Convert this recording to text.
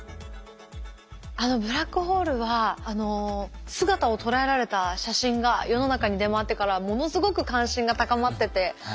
あのブラックホールは姿を捉えられた写真が世の中に出回ってからものすごく関心が高まってて。